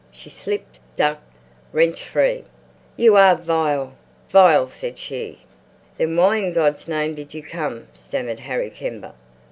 She slipped, ducked, wrenched free. "You are vile, vile," said she. "Then why in God's name did you come?" stammered Harry Kember.